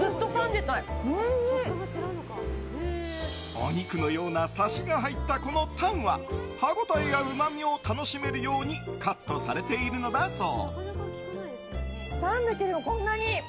お肉のようなサシが入ったこのたんは歯ごたえやうまみを楽しめるようにカットされているのだそう。